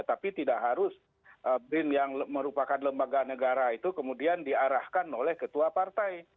tapi tidak harus brin yang merupakan lembaga negara itu kemudian diarahkan oleh ketua partai